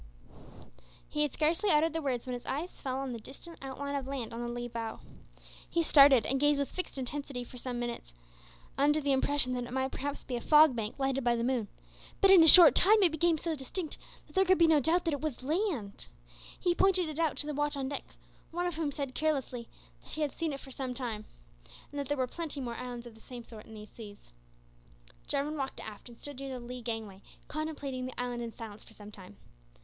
He had scarcely uttered the words when his eye fell on the distant outline of land on the lee bow. He started, and gazed with fixed intensity for some minutes, under the impression that it might perhaps be a fog bank lighted by the moon, but in a short time it became so distinct that there could be no doubt it was land. He pointed it out to the watch on deck, one of whom said carelessly that he had seen it for some time, and that there were plenty more islands of the same sort in these seas. Jarwin walked aft and stood near the lee gangway contemplating the island in silence for some time.